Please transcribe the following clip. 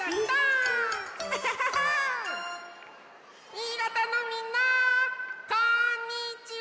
新潟のみんなこんにちは！